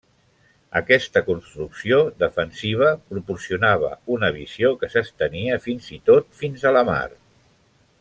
Aquesta construcció defensiva proporcionava una visió que s'estenia fins i tot fins a la mar.